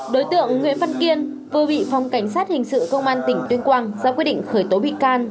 đối tượng nguyễn văn kiên vừa bị phòng cảnh sát hình sự công an tỉnh tuyên quang ra quyết định khởi tố bị can